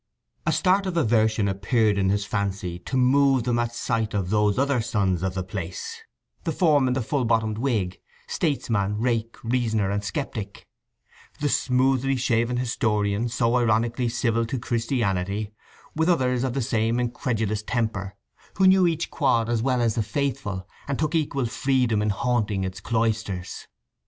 A start of aversion appeared in his fancy to move them at sight of those other sons of the place, the form in the full bottomed wig, statesman, rake, reasoner, and sceptic; the smoothly shaven historian so ironically civil to Christianity; with others of the same incredulous temper, who knew each quad as well as the faithful, and took equal freedom in haunting its cloisters.